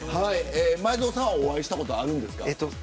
前園さんはお会いしたことあるんですか。